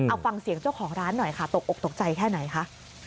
เอาฟังเสียงเจ้าของร้านหน่อยค่ะตกอกตกใจแค่ไหนคะ